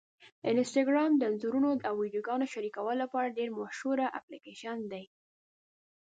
انسټاګرام د انځورونو او ویډیوګانو شریکولو لپاره ډېره مشهوره اپلیکېشن ده.